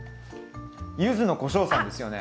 柚子のこしょうさんですよね？